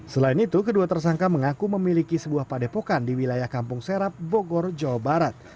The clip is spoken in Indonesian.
selain itu kedua tersangka mengaku memiliki sebuah padepokan di wilayah kampung serap bogor jawa barat